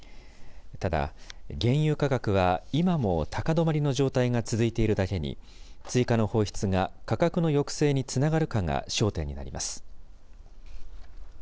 ただ、原油価格は、今も高止まりの状態が続いているだけに、追加の放出が価格の抑制につながるかが焦点になります。